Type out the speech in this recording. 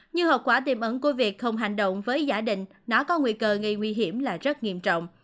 nhưng hợp quả tiêm ẩn của việc không hành động với giả định nó có nguy cơ nghi nguy hiểm là rất nghiêm trọng